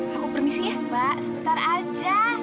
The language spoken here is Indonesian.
mbak sebentar aja